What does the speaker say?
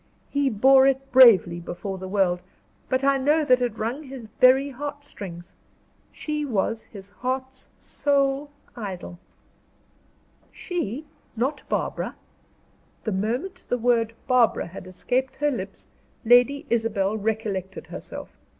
He bore it bravely before the world, but I know that it wrung his very heart strings. She was his heart's sole idol." "She? Not Barbara?" The moment the word "Barbara" had escaped her lips, Lady Isabel, recollected herself.